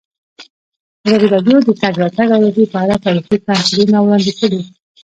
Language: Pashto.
ازادي راډیو د د تګ راتګ ازادي په اړه تاریخي تمثیلونه وړاندې کړي.